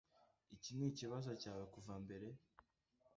Iki nikibazo cyawe kuva mbere